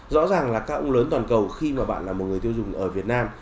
rõ ràng là các ông lớn toàn cầu khi mà bạn là một người tiêu dùng ở việt nam